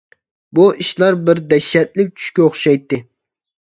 بۇ ئىشلار بىر دەھشەتلىك چۈشكە ئوخشايتتى.